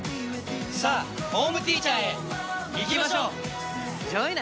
さあ、ホームティーチャーへいきましょう。